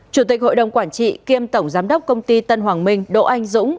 chủ tịch hội đồng quản trị kiêm tổng giám đốc công ty tân hoàng minh đỗ anh dũng